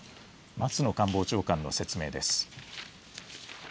松野官房長官の説明です。